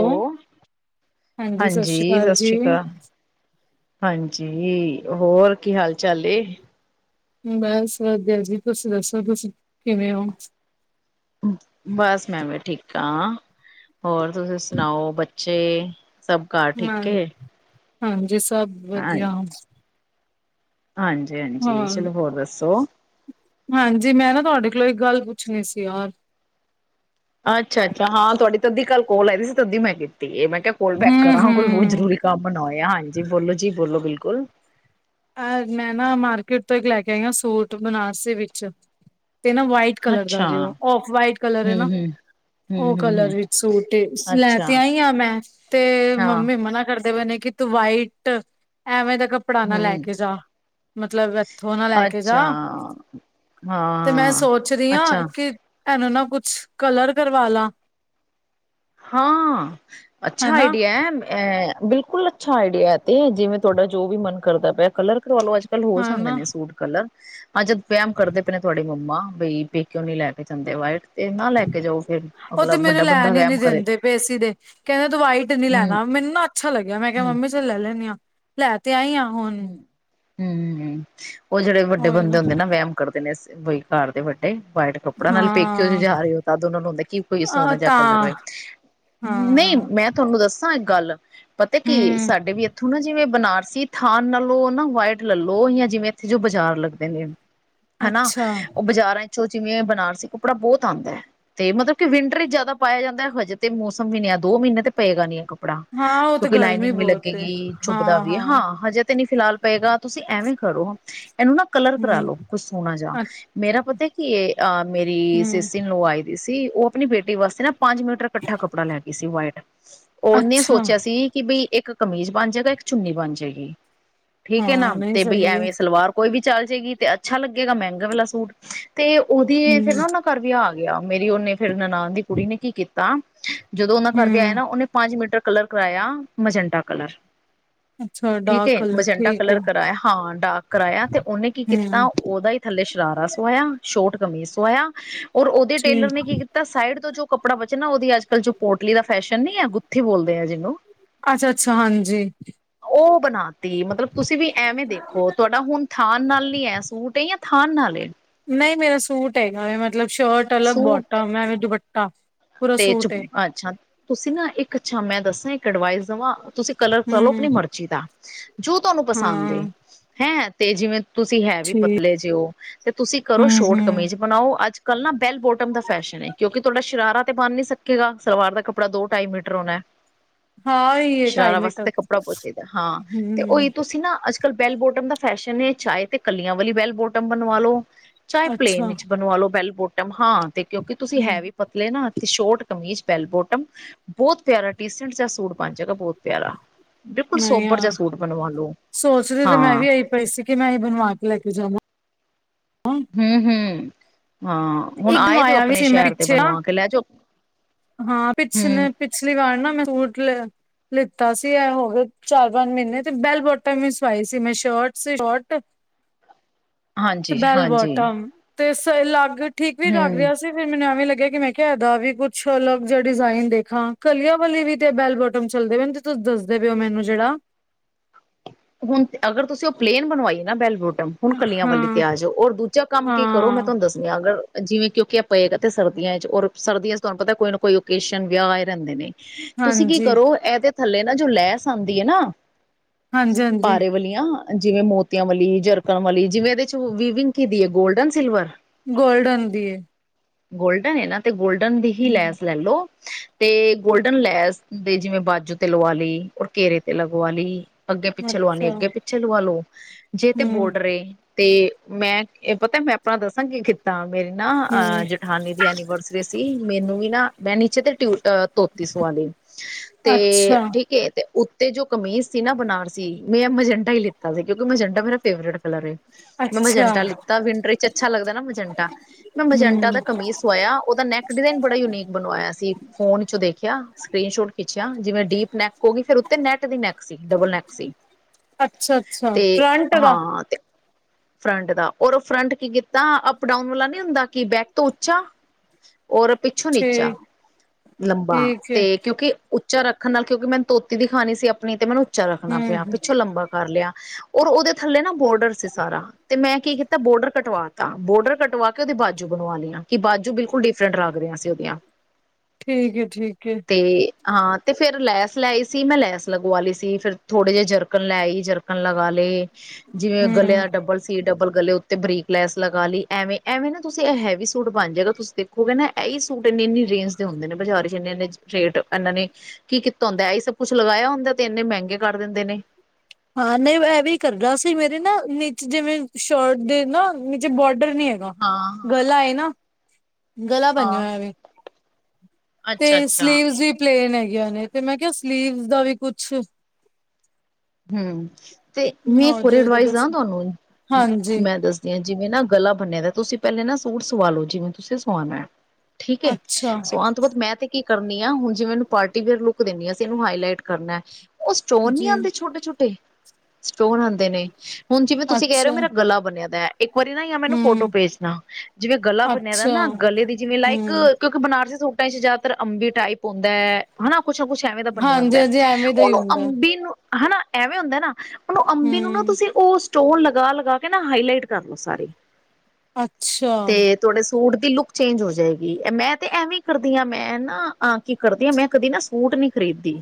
Hello, ਹੋ ਸਤਿ ਸ਼੍ਰੀ ਹਾਂਜੀ ਅਕਾਲ ਸਸ੍ਰੀ ਜੀ, ਅਕਾਲ ਹਾਂਜੀ ਹੋਰ ਕੀ ਹਾਲ ਚਾਲ ਏ ਬਸ ਵਧੀਆ ਜੀ ਤੁਸੀਂ ਦੱਸੋ ਤੁਸੀਂ ਕਿਵੇਂ ਹੋ? ਬਸ ਮੈਂ ਵੀ ਠੀਕ- ਠਾਕ, ਹੋਰ ਤੁਸੀਂ ਸੁਣਾਓ ਬੱਚੇ ਸਭ ਘਰ ਹਾਂ ਠੀਕ ਏ ਹਾਂਜੀ ਸਭ ਵਧੀਆ ਹਾਂਜੀ-ਹਾਂਜੀ, ਹਾਂ ਚਲੋ ਹੋਰ ਦੱਸੋ? ਹਾਂਜੀ, ਮੈਂ ਨਾ ਤੁਹਾਡੇ ਕੋਲੋਂ ਇੱਕ ਗੱਲ ਪੁੱਛਣੀ ਸੀ ਯਾਰ ਅੱਛਾ-ਅੱਛਾ, ਹਾਂ ਤੁਆਡੀ ਅੱਧੀ ਕੱਲ ਕੋਲ ਆਈ ਸੀ ਤੇ ਤਧੀ ਮੈਂ ਕੀਤੀ ਏ ਮੈਂ ਕਿਆ ਕੋਲ ਬੈਕ ਕਰਾਂ ਕੋਈ ਬੋਤ ਹੂੰ-ਹੂੰ। ਜ਼ਰੂਰੀ ਕੰਮ ਨਾ ਹੋਇਆ, ਹਾਂਜੀ ਬੋਲੋ ਜੀ ਬੋਲੋ ਬਿਲਕੁਲ ਅ ਮੈਂ ਨਾ ਮਾਰਕੀਟ ਤੋਂ ਇਕ ਲੈ ਕੇ ਆਈ ਆਂ ਸੂਟ, ਬਨਾਰਸੀ ਵਿੱਚ। ਤੇ ਨਾ ਵਾਈਟ ਕਲਰ ਦਾ ਅੱਛਾ ਜੇ ਓ, ਔਫ ਵਾਈਟ ਕਲਰ ਏ ਹਮ ਨਾ। ਹਮ ਓ ਹਮ ਹਮ ਹਮ ਕਲਰ ਵਿੱਚ ਸੂਟ ਏ, ਲੈ ਅੱਛਾ ਤੇ ਆਈ ਆ ਮੈਂ ਤੇ ਹਾਂ ਮੰਮੀ ਮਨਾ ਕਰਦੇ ਪਏ ਨੇ ਕਿ ਤੂੰ ਵਾਈਟ, ਐਵੇਂ ਦਾ ਕੱਪੜਾ ਨਾ ਲੈ ਹਮ ਕੇ ਜਾ, ਮਤਲਬ ਇੱਥੋਂ ਨਾ ਲੈ ਕੇ ਅੱਛਾ ਜਾ ਤੇ ਮੈਂ ਹਾਂ ਸੋਚ ਰਈ ਆਂ ਅੱਛਾ ਕਿ, ਏਨੂੰ ਨਾ ਕੁਛ ਕਲਰ ਕਰਵਾ ਲਾਂ। ਹਾਂ, ਅੱਛਾ ਹਨਾ ਆਈਡੀਆ ਐ ਅ ਬਿਲ ਕੁਲ ਅੱਛਾ ਆਈਡੀਆ ਏ ਤੇ, ਜਿਵੇਂ ਤੁਆਡਾ ਜੋ ਵੀ ਮਨ ਕਰਦਾ ਪਿਆ ਕਲਰ ਕਰਵਾ ਲੋ, ਅੱਜ-ਕੱਲ ਹੋ ਜਾਂਦੇ ਹਨਾ ਨੇ ਸੂਟ। ਕਲਰ, ਹਾਂ ਜਦ ਵੈਮ ਕਰਦੇ ਪਏ ਨੇ ਤੁਆਡੀ ਮੰਮਾ, ਬਈ ਪੇਕਿਓਂ ਨੀ ਲੈ ਕੇ ਜਾਂਦੇ ਵਾਈਟ। ਤੇ ਨਾ ਲੈ ਕੇ ਜਾਓ ਫਿਰ, ਉਹ ਤੇ ਅਗਲਾ ਮੈਨੂੰ ਵੱਡਾ ਬੰਦਾ ਲੈਣ ਹੀ ਨੀ ਵੈਮ ਦਿੰਦੇ ਪਏ ਸੀ ਦੇ, ਕਹਿੰਦੇ ਤੂੰ ਵਾਈਟ ਨੀ ਹਮ ਲੈਣਾ, ਮੈਨੂੰ ਨਾ ਅੱਛਾ ਲੱਗਿਆ ਮੈਂ ਕਿਆ ਹਮ ਮੰਮੀ ਚਲ ਲੈ ਲੈਂਨੀ ਆਂ, ਲੈ ਤੇ ਆਈ ਆਂ ਹੂੰ ਹੂੰ ਹੂੰ, ਓ ਜਿਹੜੇ ਵੱਡੇ ਬੰਦੇ ਹੁੰਦੇ ਨਾ ਵੈਮ ਕਰਦੇ ਨੇ ਸ ਬਈ ਘਰ ਦੇ ਵੱਡੇ, ਵਾਈਟ ਕੱਪੜਾ, ਨਾਲੇ ਪੇਕਿਓ ਲੈ ਹਾਂ ਜਾ ਰਹੇ ਤਦ ਓਨਾ ਨੂੰ ਹੁੰਦਾ ਕੀ ਕੋਈ ਆ ਸੋਹਨਾ ਜਿਆ ਕਲਰ ਤਾਂ ਰਏ। ਨਈ ਹਾਂ ਮੈਂ ਤੁਆਨੂੰ ਦੱਸਾਂ ਇੱਕ ਗੱਲ, ਪਤੈ ਕੀ ਹਮ ਸਾਡੇ ਵੀ ਇੱਥੋਂ ਨਾ ਜਿਵੇਂ ਬਨਾਰ ਸੀ ਥਾਣ ਨਾਲੋਂ ਨਾ ਵਾਈਟ ਲੈ ਲੋ ਜਾਂ ਜਿਵੇਂ ਇੱਥੇ ਜੋ ਬਾਜ਼ਾਰ ਲੱਗਦੇ ਨੇ ਹੈਨਾ, ਅੱਛਾ ਓ ਬਾਜ਼ਾਰਾਂ ਚੋਂ ਜਿਵੇਂ ਬਨਾਰਸੀ ਕੱਪੜਾ ਬੋਤ ਆਂਦੈ। ਤੇ ਮਤਲਬ ਕਿ ਵਿੰਟਰ ਚ ਜਿਆਦਾ ਪਾਇਆ ਜਾਂਦਾ, ਹਜੇ ਤੇ ਮੌਸਮ ਵੀ ਨੀ, ਐ ਦੋ ਮਹੀਨੇ ਤੇ ਪਏਗਾ ਨੀ ਏ ਕੱਪ ਪੜਾ, ਹਾਂ ਉਹ ਤੇ ਕਿਉਂਕਿ ਗਰਮੀ ਲਾਈਨਿੰਗ ਵੀ ਬਹੁਤ ਏ ਲੱਗੇਗੀ, ਚੁੱਭਦਾ ਵੀ ਐ, ਹਾਂ ਹਜੇ ਤੇ ਨੀ ਫਿਲਹਾਲ ਪਏਗਾ ਤੁਸੀਂ ਐਵੇਂ ਕਰੋ, ਏਨੂੰ ਨਾ ਕਲਰ ਹਮ ਕਰਾਲੋ ਕੋਈ ਸੋਹਣਾ ਜਾ। ਅ ਮੇਰਾ ਪਤਾ ਕਿ ਏ, ਅ ਮੇਰੀ ਹਮ ਸਿਸ ਇਨ ਲੋਅ ਆਈ ਦੀ ਸੀ ਓ ਅਪਨੀ ਬੇਟੀ ਵਾਸਤੇ ਨਾ ਪੰਜ ਮੀਟਰ ਕੱਠਾ ਕੱਪੜਾ ਲੈ ਗਈ ਸੀ ਵਾਈਟ, ਓਨੇ ਅੱਛਾ ਸੋਚਿਆ ਸੀ ਕਿ ਬਈ ਇੱਕ ਕਮੀਜ਼ ਬਣ ਜਾਏਗਾ, ਇੱਕ ਚੁੰਨੀ ਬਣ ਜਾਏਗੀ। ਠੀਕ ਐ, ਨਾ ਹਾਂ ਨਹੀਂ ਤੇ ਬਈ ਸਹੀ ਹੈ ਐਵੇਂ ਸਲਵਾਰ ਕੋਈ ਵੀ ਚੱਲ ਜੇਗੀ ਤੇ ਅੱਛਾ ਲੱਗੇਗਾ ਮਹਿੰਗੇ ਵਾਲਾ ਸੂਟ। ਤੇ ਓਦੀ ਹਮ ਫੇਰ ਨਾ ਓਨਾਂ ਘਰ ਵਿਆਹ ਆ ਗਿਆ, ਮੇਰੀ ਓਨੇ ਫੇਰ ਨਨਾਣ ਦੀ ਕੁੜੀ ਨੇ ਕੀ ਕੀਤਾ ਜਦੋਂ ਓਨਾਂ ਘਰ ਵਿਆ ਆਇਆ ਹਮ ਨਾ, ਓਨੇ ਪੰਜ ਮੀਟਰ ਕਲਰ ਕਰਾਇਆ, ਮਜੈਂਟਾ ਕਲਰ। ਅੱਛਾ ਠੀਕ ਡਾਰਕ ਏ, ਕਲਰ ਮਜੰਟਾ ਠੀਕ ਹੈ ਕਲਰ ਕਰਾਇਆ, ਹਾਂ ਡਾਰਕ ਕਰਾਇਆ ਤੇ ਓਨੇ ਕੀ ਕੀਤਾ ਹਮ ਓਦਾ ਈ ਥੱਲੇ ਸ਼ਰਾਰਾ ਸਵਾਇਆ, ਸ਼ੌਟ ਕਮੀਜ਼ ਸਵਾਇਆ ਔਰ ਓਦੇ ਠੀਕ ਟੇਲਰ ਨੇ ਕੀ ਕੀਤ ਤਾਂ ਸਾਈਡ ਤੋਂ ਜੋ ਕੱਪੜਾ ਬਚਿਆ ਨਾ ਓਦੀ ਅੱਜ-ਕੱਲ ਜੋ ਪੋਟਲੀ ਦਾ ਫੈਸ਼ਨ ਨੀ ਐ ਗੁੱਥੀ ਬੋਲਦੇ ਐ ਜਿਨੂੰ ਅੱਛਾ, ਅੱਛਾ ਹਾਂਜੀ। ਓ ਬਣਾ ਤੀ, ਮਤਲਬ ਤੁਸੀਂ ਵੀ ਐਵੇਂ ਦੇਖੋ ਤੁਆਡਾ ਹੁਣ ਥਾਣ ਨਾਲ ਨੀ ਐ ਸੂਟ ਐ ਜਾਂ ਥਾਨ ਨਾਲ ਐ। ਨਈਂ ਮੇਰਾ ਸੂਟ ਹੈਗਾ ਐ, ਮਤਲਬ ਸ਼ਰਟ ਅਲੱਗ ਸੂਟ ਬੋਟਮ, ਹੈਵੀ ਦੁਪੱਟਾ। ਪੂਰਾ ਤੇ ਚ ਸੂਟ ਏ ਅੱਛਾ। ਤੁਸੀਂ ਨਾ ਇੱਕ ਅੱਛਾ ਮੈਂ ਦੱਸਾਂ, ਇੱਕ ਅਡਵਾਈਸ ਦਵਾਂ, ਤੁਸੀਂ ਕਲਰ ਕਰ ਲੋ ਅਪਣੀ ਹੂੰ ਮਰਜ਼ੀ ਦਾ। ਜੋ ਤੁਆਨੂੰ ਪਸੰਦ ਹਾਂ ਏ, ਹੈਂ ਤੇ ਜਿਵੇਂ ਤੁਸੀਂ ਹੈ ਵੀ ਠੀਕ ਪਤਲੇ ਜਿਓ ਤੇ ਤੁਸੀਂ ਕਰੋ ਹੂੰ-ਹੂੰ ਸ਼ੋਰਟ-ਕਮੀਜ਼ ਬਣਾਓ, ਅੱਜ-ਕੱਲ ਨਾ ਬੈੱਲ-ਬੋਟਮ ਦਾ ਫੈਸ਼ਨ ਏ, ਕਿਉਂਕਿ ਤੁਆਡਾ ਸ਼ਰਾਰਾ ਤੇ ਬਣ ਨੀ ਸਕੇਗਾ, ਸਲਵਾਰ ਦਾ ਕੱਪੜਾ ਦੋ-ਢਾਈ ਮੀਟਰ ਹੋਣੈ। ਹਾਂ ਓਹੀ ਢਾਈ ਸ਼ਰਾਰਾ ਵਾਸਤੇ ਮੀਟਰ ਤਾਂ ਕੱਪੜਾ ਬੋਹ ਚਾਈਦੈ, ਹਾਂ ਤੇ ਓਈ ਹੂੰ ਤੁਸੀਂ ਨਾ ਅਜ ਕੱਲ ਬੈੱਲ-ਬੋਟਮ ਦਾ ਫੈਸ਼ਨ ਐ, ਚਾਹੇ ਤੇ ਕਲੀਆਂ ਵਾਲੀ ਬੈੱਲ-ਬੋਟਮ ਬਣਵਾ ਲੋ ਚਾਹੇ ਪਲੇਨ ਅੱਛਾ ਵਿੱਚ ਬਣਵਾ ਲੋ, ਬੈੱਲ-ਬੋਟਮ ਹਾਂ ਤੇ ਕਿਉਂਕਿ ਤੁਸੀਂ ਹੂੰ ਹੈ ਵੀ ਪਤਲੇ ਨਾ। ਤੇ ਸ਼ੋਰਟ ਕਮੀਜ਼ ਬੈੱਲ-ਬੋਟਮ, ਬੋਤ ਪਿਆਰਾ ਡੀਸੈਂਟ ਜਾਂ ਸੂਟ ਬਣ ਜਾਏਗਾ, ਬੋਤ ਪਿਆਰਾ। ਬਿਲਕੁਲ ਨਹੀਂ ਸੋਬਰ ਜਾ ਹਾਂ ਸੂਟ ਬਣਵਾ ਲੋ, ਸੋਚਦੀ ਤੇ ਮੈਂ ਹਾਂ। ਵੀ ਇਹੀ ਪਈ ਸੀ ਕਿ ਮੈਂ ਏਹੀ ਬਣਵਾ ਕੇ ਲੈ ਕੇ ਜਾਵਾਂ। ਹੂੰ-ਹੂੰ, ਹਾਂ, ਹੁਣ ਇੱਕ ਆਏ ਤੇ ਓ ਬਣਵਾਇਆ ਵੀ ਆਪਣੇ ਸੀ ਮੈਂ ਸ਼ਹਿਰ ਤੇ ਪਿੱਛੇ ਨਾ ਬਣਵਾ ਕੇ ਲੈ ਜੋ। ਹਾਂ, ਪਿਛਲੇ, ਪਿਛਲੀ ਵਾਰ ਨਾ ਮੈ ਸੂਟ ਲਿਤਾ ਸੀ, ਐ ਹੋਵੇ ਚਾਰ-ਪੰਜ ਮਹੀਨੇ ਤੇ ਬੈਲ ਬੋਟਮ ਹੀ ਸਵਾਈ ਸੀ, ਮੈ ਸ਼ਰਟ, ਸ਼ੋਟ [inaudible] ਬੈਲ ਹਾਂਜੀ-ਹਾਂਜੀ। ਬੋਟਮ। ਤੇ ਸ ਲੱਗ ਠੀਕ ਵੀ ਲੱਗ ਹੂੰ। ਰਿਹਾ ਸੀ, ਫਿਰ ਮੈਨੂੰ ਐਵੇ ਲਗਿਆ ਕਿ ਮੈ ਕਿਹਾ ਇਹਦਾ ਵੀ ਕੁ ਕੁਛ ਅਲਗ ਜਾ ਡਿਜ਼ਾਇਨ ਦੇਖਾਂ, ਕਲੀਆਂ ਵਾਲੀ ਵੀ ਤੇ ਬੈਲ-ਬੋਟਮ ਚਲਦੇ ਪੇਨ ਤੇ ਤੁਸੀ ਦਸਦੇ ਪੇ ਓ, ਮੈਨੂੰ ਜਿਹੜਾ। ਹੁਣ, ਅਗਰ ਤੁਸੀ ਉਹ ਪਲੇਨ ਬਣਵਾਈ ਨਾ ਬੈਲਵੋ ਹੁਣ ਕਲੀਆਂ ਵਾਲੀ ਤੇ ਹਾਂ ਆਜੋ, ਔਰ ਦੂਜਾ ਕੰਮ ਕੀ ਕਰੋ ਮੈ ਹਾਂ ਤੁਹਾਨੂੰ ਦੱਸ ਅਗਰ, ਜਿਵੇਂ ਕਿਉਕਿ ਆ ਪਏਗਾ ਤੇ ਇਹ ਸਰਦੀਆਂ 'ਚ, ਔਰ ਸਰਦੀਆਂ'ਚ ਤੁਹਾਨੂੰ ਪਤਾ ਕੋਈ ਨਾ ਕੋਈ ਓਕੇਸ਼ਨ, ਵਿਆਹ ਆਏ ਰਹਿਦੇ ਨੇ। ਤੁਸੀ ਕੀ ਹਾਂਜੀ ਕਰੋ, ਐਦੇ ਥੱਲੇ ਨਾ ਜੋ ਲੈਸ ਆਂਦੀ ਐ ਨਾ ਹਾਂਜੀ ਹਾਂਜੀ ਪਾਰੇ ਵਾਲੀਆਂ ਜਿਵੇ ਮੋਤੀਆਂ ਵਾਲੀ, ਜਰਕਣ ਵਾਲੀ, ਜਿਵੇ ਇਹਦੇ'ਚ ਵਿਵਿੰਕ ਕਿਹਦੀ ਏ, ਗੋਲਡਨ, ਸਿਲਵਰ? ਗੋਲਡਨ ਦੀ ਏ। ਗੋਲਡਨ ਏਨਾ, ਤੇ ਗੋਲਡਨ ਦੀ ਹੀ ਹੂੰ ਲੈਸ ਲੈਲੋ ਤੇ ਗੋਲਡਨ ਲੈਸ ਦੇ ਜਿਵੇ ਬਾਜੂ ਤੇ ਲਵਾਲੀ, ਔਰ ਘੇਰੇ ਤੇ ਲਗਵਾਲੀ। ਅੱਗੇ-ਪਿੱਛੇ ਲਵਾਨੀ ਏ, ਅੱਛਾ ਅੱਗੇ-ਪਿੱਛੇ ਲਵਾਲੋ, ਜੇ ਤੇ ਹੂੰ ਬੋਡਰ ਏ ਤੇ, ਮੈ ਪਤਾ ਮੈਂ ਅਪਣਾ ਦੱਸਾ ਮੈ ਨਾ ਕੀ ਕੀਤਾ, ਮੇਰੀ ਨਾ ਹੂੰ ਅਹ ਜਠਾਨੀ ਦੀ ਐਨੀਵਰਸ ਸੀ, ਮੈਨੂੰ ਵੀਨਾ ਮੈ ਨੀਚੇ ਤੇ ਟਿਊਅਹ ਧੋਤੀ ਸਵਾਲੀ ਤੇ ਅੱਛਾ ਠੀਕ ਏ, ਤੇ ਉਤੇ ਜੋ ਕਮੀਜ ਸੀ ਨਾ ਬਨਾਰਸੀ, ਮੈ ਮਜੰਟਾ ਈ ਲਿੱ ਸੀ, ਕਿਉਕਿ ਮਜੰਟਾ ਮੇਰਾ ਫੇਵਰੇਟ ਕਲਰ ਏ, ਮੈ ਅੱਛਾ ਮਜੰਟਾ ਲਿੱਤਾ ਵਿੰਟਰ ਵਿਚ ਅਛਾ ਲਗਦਾ ਨਾ, ਮਜੰਟਾ। ਮੈ ਮਜੰਟਾ ਹੂੰ ਦਾ ਕਮੀਜ਼ ਸਵਾਇਆ, ਉਹਦਾ ਨੈਕ ਡਿਜਾਇਨ ਬੜਾ ਯੂਨੀਕ ਬਣਵਾਇਆ ਸੀ, ਫੋਨ 'ਇਚੋ ਦੇਖਿਆ। ਸਕਰੀਨ-ਸ਼ੋਟ ਖਿੱਚਿਆ, ਜਿਵੇ ਡੀਪ ਨੈਕ ਹੋਗੀ, ਫਿਰ ਉਤੇ ਨੈਟ ਦੀ ਨੈਕ ਸੀ, ਡਬਲ ਨੈਕ ਸੀ, ਅੱਛਾ ਅੱਛਾ ਤੇ ਫਰੰਟ ਦਾ ਹਾਂ, ਤੇ ਫਰੰਟ ਦਾ, ਔਰ ਫਰੰਟ ਕੀ ਕੀਤਾ, ਅਪ-ਡਾਊਨ ਵਾਲਾ ਨੀ ਹੁੰਦਾ ਕਿ ਬੈਕ ਤੋ ਉਚਾ ਓਰ ਪਿੱਛੋਂ ਨੀਚਾ, ਠੀਕ ਲੰਬਾ ਠੀਕ ਏ ਤੇ ਕਿਉਕਿ ਉਚਾ ਰੱਖਣ ਨਾਲ ਕਿਉਕਿ ਮੈਨੂੰ ਧੋਤੀ ਦਿਖਾਣੀ ਸੀ ਅਪਣੀ, ਤੇ ਮੈਨੂੰ ਉਚਾ ਰੱਖਣਾ ਹੂੰ ਪਿਆ ਹੂੰ ਪਿੱਛੋ ਲੰਬਾ ਕਰ ਲਿਆ, ਔਰ ਉਹਦੇ ਥੱਲੇ ਨਾ ਬੋਰਡਰ ਸੀ ਸਾਰਾ, ਤੇ ਮੈ ਕੀ ਕੀਤਾ ਬੋਰਡਰ ਕਟਵਾ ਤਾਂ, ਬੋਰਡਰ ਕਟਵਾਕੇ ਉਹਦੀ ਬਾਜੂ ਬਣਵਾ ਲੀਆਂ, ਕਿ ਬਾਜੂ ਬਿਲਕੁਲ ਡਿਫਰੈਂਟ ਲੱਗ ਰਿਹੀਆਂ ਸੀ ਉਹਦੀਆਂ। ਠੀਕ ਏ, ਠੀਕ ਏ। ਤੇ, ਹਾਂ, ਤੇ ਫੇਰ ਲੈਸ ਲੈਈ ਸੀ ਮੈ ਲੈਸ ਲਗਵਾ ਲੀ ਸੀ, ਫਿਰ ਥੋੜੇ ਜਿਹੇ ਜਰਕਨ ਲੈ ਆਈ ਜਰਕਨ ਲਗਾਲੇ, ਜਿਵੇ ਹੂੰ ਗਲਿਆ ਡਬਲ ਡਬਲ ਗਲੇ ਉੱਤੇ ਬਰੀਕ ਲੈਸ ਲਗਾਲੀ, ਐਵੇਂ, ਐਵੇ ਨਾ ਤੁਸੀ ਐ ਹੈਵੀ ਸੂਟ ਬਣ ਜੇਗਾ, ਤੁਸੀ ਦੇਖ ਹੋਗੇ ਨਾ, ਐਹੀ ਸੂਟ ਇੰਨੇ-ਇਨੀ ਰੇਂਜ ਦੇ ਹੁੰਦੇ ਨੇ ਬਜਾਰ 'ਚ ਇੰਨੇ-ਇੰਨੇ ਰੇਟ ਇਹਨਾ ਨੇ ਕੀ ਕੀਤਾ ਹੁੰਦਾ, ਐਈ ਸਭ ਕੁੱਛ ਲਗਾਇਆ ਹੁੰਦਾ, ਤੇ ਇੰਨੇ ਮਹਿੰਗੇ ਕਰ ਦਿੰਦੇ ਨੇ। ਹਾਂ-ਨਹੀ, ਐ ਵੀ ਕਰਦਾ ਸੀ, ਮੇਰੇ ਨਾ ਨੀਚੇ ਜਿਵੇ ਸ਼ਰਟ ਦੇ ਨਾ ਨੀਚੇ ਬੋਡਰ ਨਹੀ ਹੈ ਹਾਂ ਗਲਾ ਏ ਨਾ, ਗਲਾ ਹਾਂ ਬਨਿਆ ਹਾਂ ਹੋਇਆ ਵੇ। ਅੱਛਾ ਤੇ ਅੱਛਾ ਸਲੀਵਸ ਵੀ ਪਲੇਨ ਹੈਗੀਆਂ ਨੇ, ਤੇ ਮੈ ਕਿਹਾ ਸਲੀਵਸ ਦਾ ਵੀ ਕੁਛ ਹੂੰ, ਤੇ ਮ ਇਕ ਹੋਰ ਹੋਜੇ ਉਹਦਾ ਏਡਵਾਈਜ ਦੱਸ ਦਾ ਤੁਹਾਨੂੰ, ਹਾਂਜੀ ਮੈ ਦੱਸ ਜਿਵੇਂ ਨਾ ਗਲਾ ਬਨਿਆ ਦਾ, ਤੁਸੀ ਪਹਿਲੇ ਨਾ ਸੂਟ ਸਵਾਲੋ, ਜਿਵੇਂ ਤੁਸੀ ਸਵਾਣਾ। ਠੀਕ ਏ, ਅੱਛਾ। ਸਵਾਣ ਤੋ ਬਾਅਦ ਮੈਂ ਤੇ ਕੀ ਕਰਨੀ ਆਂ, ਹੁਣ ਜਿਵੇ ਇਹਨੂੰ ਪਾਰਟੀ ਵੇਅਰ ਲੁਕ ਦਿੰਨੀ ਆ, ਅਸੀਂ ਇਹਨੂੰ ਹਾਈਲਾਈਟ ਕਰਨਾ, ਉਹ ਸਟੋਨ ਨੀ ਜੀ ਆਂਦੇ ਛੋਟੇ-ਛੋਟੇ, ਸਟੋਨ ਆਂਦੇ ਨੇ ਹੁਣ ਜਿਵੇਂ ਤੁਸੀ ਕਹਿ ਰਹੇ ਓ, ਅੱਛਾ ਮੇਰਾ ਗਲਾ ਬਣਿਆ ਦੈ। ਇਕ ਵਾਰੀ ਨਾ ਯਾ ਮੈਨੂੰ ਫੋਟੋ ਹੂੰ ਭੇਜਣਾ, ਜਿਵੇਂ ਗਲਾ ਬਨਿਆ ਦਾ ਅੱਛਾ ਨਾ ਗਲੇ ਦੀ ਜਿਵੇ ਹੂੰ ਲਾਈਕ ਬਨਾਰਸੀ ਸੂਟਾਂ'ਚ ਜਿਆਦਾਤਰ ਅੰਬੀ ਟਾਈਪ ਹੁੰਦੈ, ਹਨਾ, ਕੁਛ ਨਾ ਕੁਛ ਏਵੇ ਦਾ ਬੰਨਿਆ ਹਾਂਜੀ ਹੁੰਦੈ, ਹਾਂਜੀ ਐਵੇਂ ਦਾ ਹੀ ਉਹਨੂੰ ਹੁੰਦਾ ਅੰਬੀ ਨੂੰ ਹਨਾ, ਐਵੇ ਹੁੰਦਾ ਨਾ, ਉਹਨੁੰ ਅੰਬੀ ਨੂੰ ਨਾ ਹੂੰ ਤੁਸੀ ਉਸ ਸਟੋਨ ਲਗਾ-ਲਗਾਕੇ ਨਾ, ਹਾਈਲਾਈਟ ਕਰਲੋ ਸਾਰੇ। ਅਛਾ। ਤੁਹਾਡੇ ਸੂਟ ਦੀ ਲੁਕ ਚੇਂਜ ਹੋ ਜਾਏਗੀ, ਮੈ ਤੇ ਐਂਵੇ ਈ ਕਰਦੀ ਆ, ਮੈ ਨਾ ਕੀ ਕਰਦੀ ਆਂ, ਮੈ ਕਦੀ ਨਾ ਸੂਟ ਨਹੀ ਖਰੀਦ ਦੀ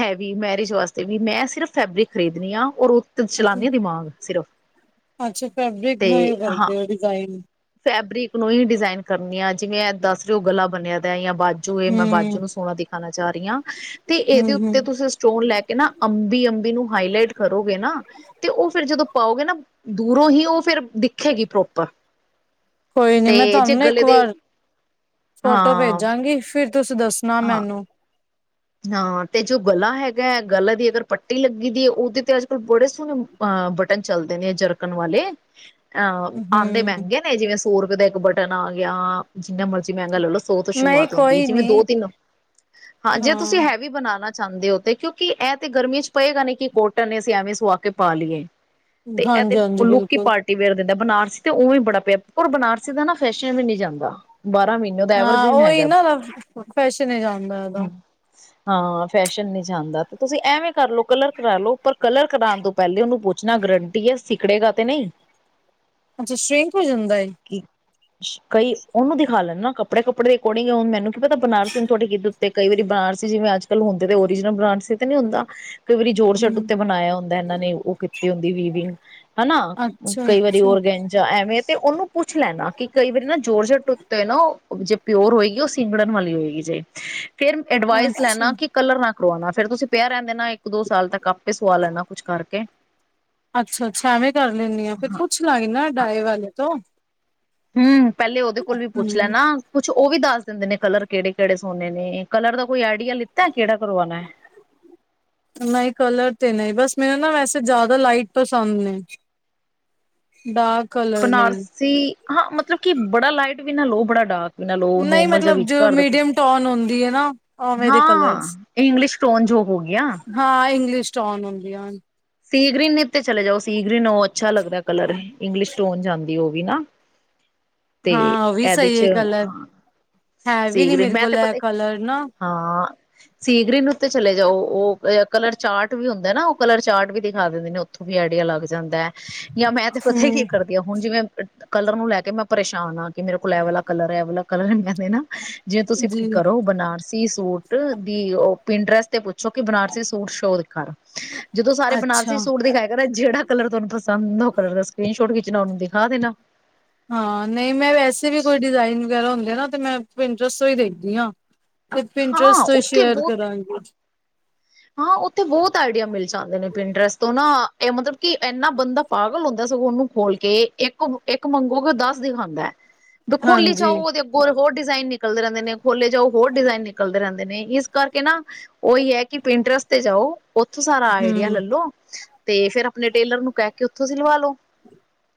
ਹੈਵੀ, ਮੈਰਿਜ ਵਾਸਤੇ ਵੀ ਮੈਂ ਸਿਰਫ ਫੈਬਰਿਕ ਖਰੀਦਣੀ ਆ, ਔਰ ਉਹ ਚਲਾਂਨੀ ਆ ਦਿਮਾਗ, ਸਿਰਫ। ਅੱਛਾ ਫੈਬਰਿਕ ਤੇ ਨੂੰ ਈ ਹਾਂ ਵਰਤਦੇ ਓ, ਡਿਜ਼ਾਈਨ। ਫੈਬਰਿਕ ਨੂੰ ਹੀ ਡਿਜ਼ਾਇਨ ਕਰਨੀ ਆ, ਜਿਵੇਂ ਦੱਸ ਜੋ ਗਲਾ ਬਣਿਆ ਦਾ, ਯਾ ਬਾਜ ਜੋ ਇਹ ਮੈਂ ਬਾਜੂ ਹੂੰ ਨੂੰ ਸੋਹਣਾ ਦਿਖਾਣਾ ਚਾਹ ਰਹੀ ਆ, ਤੇ ਹੂੰ ਇਹਦੇ ਹੂੰ ਉੱਤੇ ਤੁਸੀਂ ਸਟੋਨ ਲੈਕੇ ਨਾ ਅੰਬੀ, ਅੰਬੀ ਨੂੰ ਹਾਈਲਾਈਟ ਕਰੋਗੇ ਨਾ ਤੇ ਉਹ ਫਿਰ ਜਦੋਂ ਪਾਓਗੇ ਨਾ, ਦੂਰੋਂ ਈ ਉਹ ਫਿਰ ਦਿਖੇਗੀ ਪ੍ਰੋਪਰ। ਕੋਈ ਨੀ ਤੇ ਮੈਂ ਜੇ ਤੁਹਾਨੂੰ ਨਾ ਇੱਕ ਗਲੇ ਦੇ ਵਾਰ, ਫੋਟੋ ਹਾਂ ਭੇਜਾਂਗੀ ਫਿਰ ਤੁਸੀਂ ਦੱਸਣਾ ਹਾਂ ਮੈਨੂੰ। ਹਾਂ ਤੇ ਜੋ ਗਲਾ ਹੈਗਾ, ਗਲਾ ਦੀ ਅਗਰ ਪੱਟੀ ਲੱਗੀ ਦੀ ਏ, ਉਹਦੇ ਤੇ ਅੱਜ-ਕਲ ਬੜੇ ਸੋਹਣੇ ਹਾਂ, ਬਟਨ ਚੱਲਦੇ ਨੇ ਜਰਕਣ ਵਾਲੇ। ਆ, ਆਂਦੇ ਹੂੰ ਮਹਿੰਗੇ ਨੇ, ਜਿਵੇਂ ਸੋ ਰੁਪਏ ਦਾ ਇੱਕ ਬਟਨ ਆਗਿਆ ਜਿੰਨਾ ਮਰਜ਼ੀ ਮਹਿੰਗਾ ਲੈ ਲਓ, ਸੌ ਤੋਂ ਨਹੀਂ ਸ਼ੁਰੂਆਤ ਹੁੰਦੀ ਏ, ਕੋਈ ਜਿਵੇਂ ਨੀ ਦੋ-ਤਿੰਨ, ਹਾਂਜੀ ਹਾਂ ਵੀ ਬਣਾਣਾ ਚਾਹੁੰਦੇ ਓ, ਤੇ ਕਿਉਂਕਿ ਇਹ ਤੇ ਗਰਮੀ'ਚ ਪਏਗਾ ਨੀ ਕਿ ਕੋਟਨ ਨੇ ਅਸੀਂ ਐਵੇਂ ਸੁਆਕੇ ਪਾ ਲੀਏ। ਤੇ ਐ ਤੇ, ਹਾਂਜੀ ਹਾਂਜੀ ਲੁਕ ਈ ਬਿਲਕੁਲ ਪਾਰ ਦਿੰਦਾ, ਬਨਾਰਸੀ ਤੇ ਉਹ ਵੀ ਬੜਾ ਪਿਆ, ਓਰ ਬਨਾਰਸੀ ਦਾ ਨਾ ਫੈਸ਼ਨ ਵੀ ਨਹੀਂ ਜਾਂਦਾ। ਬਾਰਾਂ ਮਹੀਨੇ ਉਹਦਾ, ਹਾਂ ਐਵਰਗ੍ਰੀਨ ਉਹੀ ਹੈਗਾ। ਨਾ ਫੈਸ਼ਨ ਹੀ ਜਾਂਦਾ ਇਹਦਾ ਹਾਂ ਫੈਸ਼ਨ ਨਹੀਂ ਜਾਂਦਾ, ਤੇ ਤੁਸੀਂ ਐਵੇਂ ਕਰਲੋ, ਕਲਰ ਕਰਾਲੋ, ਪਰ ਕਲਰ ਕਰਾਣ ਤੋਂ ਪਹਿਲੇ ਉਹਨੂੰ ਪੁੱਛਣਾ, ਗਰੰਟੀ ਏ, ਸਿੱਕੜੇਗਾ ਤੇ ਨਹੀਂ। ਅੱਛਾ, ਸ਼੍ਰਿੰਕ ਹੋ ਜਾਂਦਾ ਏ? ਕਿ, ਕਈ ਉਹਨੂੰ ਦਿਖਾ ਲੈਂਨ ਨਾ ਕਪੜੇ-ਕਪੜੇ ਦੇ ਅਕੋਰਡਿੰਗ ਏ, ਹੁਣ ਮੈਨੂੰ ਕੀ ਪਤਾ ਬਨਾਰਸੀ ਹੁਨ ਤੁਹਾਡੇ ਕਿੱਧਰ ਤੇ ਕਈ ਵਾਰੀ ਬਨਾਰਸੀ ਜਿਵੇਂ ਅੱਜ-ਕੱਲ ਹੁੰਦੇ ਨੇ, ਓਰੀਜਨਲ ਬਨਾਰਸੀ ਤੇ ਨਹੀਂ ਹੁੰਦਾ। ਕਈ ਵਾਰੀ ਜੋਰਸ਼ਟ ਹੂੰ ਉੱਤੇ ਬਨਾਇਆ ਹੁੰਦਾ ਇਹਨਾਂ ਨੇ, ਉਹ ਕੀਤੀ ਹੁੰਦੀ ਵੀਵਿੰਗ। ਹਨਾ, ਅੱਛਾ ਕਈ ਵਾਰੀ ਅੱਛਾ ਓਰਗੇਂਜਾ ਐਵੇਂ ਤੇ, ਉਹਨੂੰ ਪੁੱਛ ਲੈਨਾ, ਕਿ ਕਈ ਵਾਰੀ ਨਾ ਜ਼ੋਰਜਟ ਉੱਤੇ ਨਾ ਉਹ, ਜੇ ਪਿਓਰ ਹੋਏਗੀ, ਉਹ ਸਿੰਗੜਨ ਵਾਲੀ ਹੋਏਗੀ ਜੇ। ਫਿਰ ਐਡਵਾਈਜ਼ ਅੱਛਾ ਕਲਰ ਨਾ ਕਰਵਾਣਾ, ਫੇਰ ਤੁਸੀਂ ਪਿਆ ਰਹਿਨ ਦੇਨਾ, ਇੱਕ-ਦੋ ਸਾਲ ਤੱਕ ਆਪੇ ਸਵਾ ਲੈਣਾ ਕੁੱਛ ਕਰਕੇ। ਅੱਛਾ-ਅੱਛਾ, ਐਵੇਂ ਕਰ ਲੈਨੀ ਆ, ਫਿਰ ਹਾਂ ਪੁੱਛ ਲਾਂਗੀ ਨਾ ਡਾਏ ਵਾਲੇ ਤੋਂ। ਹੂੰ, ਪਹਿਲੇ ਉਹਦੇ ਕੋਲ ਵੀ ਪੁੱਛ ਹੂੰ ਲੈਨਾ। ਕੁਛ ਉਹ ਵੀ ਦੱਸ ਦਿੰਦੇ ਨੇ, ਕਲਰ ਕਿਹੜੇ-ਕਿਹੜੇ ਸੋਨੇ ਨੇ, ਕਲਰ ਦਾ ਕੋਈ ਆਈਡੀਆ ਲਿੱਤਾ, ਕਿਹੜਾ ਕਰਵਾਣਾ ਏ? ਨਹੀਂ ਕਲਰ ਤੇ ਨਹੀਂ, ਬਸ ਮੈਨੂੰ ਨਾ ਵੈਸੇ ਜ਼ਿਆਦਾ ਲਾਈਟ ਪਸੰਦ ਨੇ। ਡਾਰਕ ਕਲਰ ਨਹੀ। ਸੀ ਹਾਂ, ਮਤਲਬ ਕਿ ਬੜਾ ਲਾਈਟ ਵੀ ਨਾ ਲੋ, ਬੜਾ ਡਾਰਕ ਬਨਾ ਨਹੀਂ ਨੋਮਲ ਜਾਂ ਮਤਲਬ ਵਿੱਚ ਜੋ ਘਰਦਾ, ਮੀਡੀਅਮ ਟੋਨ ਹੁੰਦੀ ਹੈ ਨਾ ਉਵੇਂ ਦੇ ਕਲਰਸ ਹਾਂ। ਇੰਗਲਿਸ਼ ਟੋਨ ਜੋ ਹੋਗਿਆ। ਹਾਂ, ਇੰਗਲਿਸ਼ ਟੌਨ ਹੁੰਦੀਆ। ਸੀ ਗ੍ਰੀਨ ਉੱਤੇ ਚਲੇ ਜਾਓ, ਸੀ ਗ੍ਰੀਨ ਉਹ ਅੱਛਾ ਲੱਗਦਾ ਕਲਰ, ਇੰਗਲਿਸ਼ ਟੋਨ ਜਾਂਦੀ ਉਹ ਵੀ ਨਾ। [inaudible] ਤੇ, ਹਾਂ ਉਹ ਵੀ ਸਹੀ ਐਦੇ'ਚ ਹੈ ਕਲਰ ਹੈ ਵੀ ਸੀ ਨੀ ਗ੍ਰੀਨ, ਮੇਰੇ ਮੈਂ ਤੇ ਕੋਲ ਇਹ ਪਤਾ ਕਲਰ ਨਾ ਹਾਂ, ਸੀ ਗਰੀਨ ਉੱਤੇ ਚਲੇ ਜਾਓ। ਉਹ ਕਲਰ ਚਾਟ ਵੀ ਹੁੰਦਾ ਨਾ, ਉਹ ਕਲਰ ਚਾਟ ਵੀ ਦਿਖਾ ਦਿੰਦੇ ਨੇ। ਉੱਥੋਂ ਵੀ ਆਈਡੀਆ ਲੱਗ ਜਾਂਦਾ। ਜਾਂ ਮੈਂ ਤੇ ਪਤਾ ਕੀ ਹਮ ਕਰਦ ਜਾਂ ਹੁਣ ਜਿਵੇਂ ਕਲਰ ਨੂੰ ਲੈ ਕੇ ਮੈਂ ਪਰੇਸ਼ਾਨ ਆ, ਕਿ ਮੇਰੇ ਕੋਲ ਐ ਵਾਲਾ ਕਲਰ, ਇਹ ਵਾਲਾ ਕਲਰ, ਮਿਲ ਦੇ ਨਾ। ਜੇ ਤੁਸੀਂ ਜੀ ਕਰੋ ਬਨਾਰਸ ਸੀ ਸੂਟ ਦੀ ਉਹ ਪਿੰਨ ਡਰੈਸ ਤੇ ਪੁੱਛੋ। ਕਿ ਬਨਾਰਸੀ ਸੂਟ ਸ਼ੋਅ ਦਿਖਾਰਾ। ਜਦੋਂ ਸ ਅੱਛਾ ਬਨਾਰਸੀ ਸੂਟ ਦਿਖਾਇਆ ਕਰ, ਜਿਹੜਾ ਕਲਰ ਤੁਹਾਨੂੰ ਪਸੰਦ ਆ। ਉਹ ਕਲਰ ਦਾ ਸਕਰੀਨ ਸ਼ੋਟ ਖਿੱਚਣਾ, ਉਹਨੂੰ ਦਿਖਾ ਦੇਣਾ। ਹਾਂ, ਨਹੀਂ ਮੈਂ ਵੈਸੇ ਵੀ ਕੋਈ ਡਿਜ਼ਾਇਨ ਵਗੈਰਾ ਹੁੰਦੇ ਆ ਨਾ ਤਾਂ ਮੈਂ ਪਿਨਡਰੈਸ ਤੋਂ ਈ ਦੇਖਦੀ ਆ। ਪਿੰਨਡਰੈਸ ਹਾਂ ਤੋਂ ਉੱਥੇ ਸ਼ੇਅਰ ਬਹੁਤ ਕਰਾਂਗੇ। ਹਾਂ ਉੱਥੋ ਬਹੁਤ ਆਈਡੀਆ ਮਿਲ ਜਾਂਦੇ ਨੇ, ਪਿੰਨਡਰੈਸ ਤੋਂ ਨਾ। ਇਹ ਮਤਲਬ ਕਿ ਇੰਨਾ ਬੰਦਾ ਪਾਗ਼ਲ ਹੁੰਦਾ ਸਗੋਂ ਉਹਨੂੰ ਖੋਲ ਕੇ। ਇੱਕ-ਇੱਕ ਮੰਗੋਗੇ, ਉਹ ਦੱਸ ਦਿਖਾਂਦਾ। ਦਾ ਖੋਲੀ ਹਾਂਜੀ ਜਾਓ। ਉਹਦੇ ਅੱਗੋ ਹੋਰ ਡਿਜ਼ਾਈਨ ਨਿਕਲਦੇ ਰਹਿੰਦੇ ਨੇ। ਖੋਲੇ ਜਾਓ, ਹੋਰ ਡਿਜ਼ਾਇਨ ਨਿਕਲਦੇ ਰਹਿੰ ਦੇ ਨੇ। ਇਸ ਕਰਕੇ ਨਾ, ਉਹੀ ਐ ਕਿ ਪਿੰਨਟਰਸ ਤੇ ਜਾਓ। ਉੱਥੋਂ ਸਾਰਾ ਆਈਡੀਆ ਹਮ ਲੱਲੋ ਤੇ ਫਿਰ ਆਪਣੇ ਟੇਲਰ ਨੂੰ ਕਹਿ ਕੇ ਉੱਥੋਂ ਸਿਲਵਾ ਲੋ।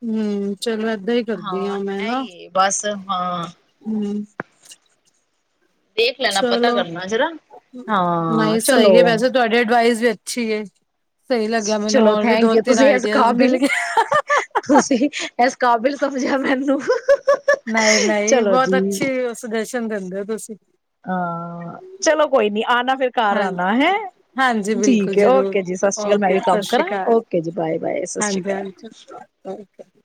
ਹੂੰ, ਚਲ ੲੈਦਾਂ ਈ ਕਰਦੀ ਆ ਮੈਂ ਹਾਂ ਨਾ। ਇਹੀ ਹੈ ਬਸ ਹਾਂ। ਹਮ। ਦੇਖ ਲੈਣਾ ਪਤਾ ਚਲੋ, ਕਰਨਾ ਜਰਾ ਹਾਂ ਨਹੀਂ ਚਲੋ ਸਹੀ ਐ। ਵੈਸੇ ਤੁਹਾਡੀ ਐਡਵਾਈਜ਼ ਵੀ ਅੱਛੀ ਏ। ਚਲੋ, ਥੈਂਕ ਊ, ਤੁਸੀਂ ਇਸ ਆਈਡੀਆਜ਼ ਮਿਲ ਕਾਬਿਲ ਗਏ ਤੁਸੀਂ ੲੈਸ ਕਾਬਿਲ ਸਮਝਿਆ ਮੈਨੂੰ, ਨਹੀਂ ਨਹੀਂ ਚਲੋ ਬਹੁਤ ਜੀ। ਅੱਛੀ ਸੁਜੈਸ਼ਨ ਦਿੰਦੇ ਓ ਤੁਸੀਂ। ਆ, ਚਲੋ ਕੋਈ ਨੀ। ਆਨਾ ਫਿਰ ਘਰ ਹਾਂ ਆਨਾ ਹੈਂ ਹਾਂਜੀ ਬਿਲਕੁਲ ਠੀਕ ਐ, ਜ਼ਰੂਰ ਓਕੇ ਜੀ। ਸ ਸਾਸਰੀ ਕਾਲ ਮੈਂ ਓਕੇ ਵੀ ਸਤਿ ਕੰਮ ਸ਼੍ਰੀ ਕਰਾਂ। ਅਕਾਲ ਓਕੇ ਜੀ, ਬਾਏ-ਬਾਏ। ਸ਼ਾਸਰੀ ਕਾਲ। ਠੀਕ ਐ ਜੀ।